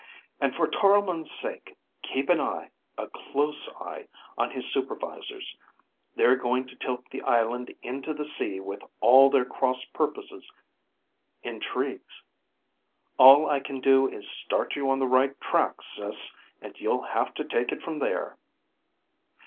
And for Toromon's sake, keep an eye, a close eye on his supervisors. They're going to tilt the island into the sea with all their cross purposes intrigues. All I can do is start you on the right track, Sis, and you'll have to take it from there.